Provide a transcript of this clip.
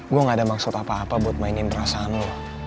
gue gak ada maksud apa apa buat mainin perasaanmu